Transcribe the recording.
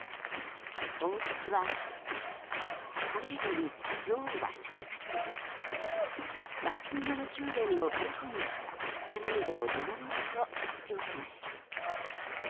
王室は２日パレードに女王は参加せずバッキンガム宮殿のバルコニーからパレードを見守ると発表しました。